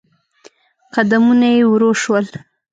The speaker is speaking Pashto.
قدمونه يې ورو شول.